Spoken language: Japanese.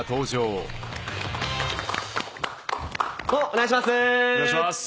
お願いします。